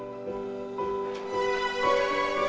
eros jalan dulu